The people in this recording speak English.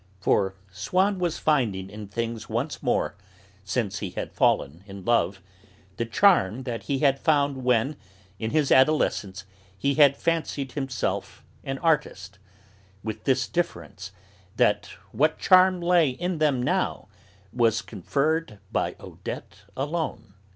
For Swann was finding in things once more, since he had fallen in love, the charm that he had found when, in his adolescence, he had fancied himself an artist; with this difference, that what charm lay in them now was conferred by Odette alone.